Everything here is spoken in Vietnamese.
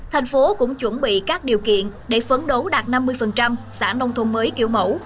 thành phố cũng chuẩn bị các điều kiện để phấn đấu đạt năm mươi xã nông thôn mới kiểu mẫu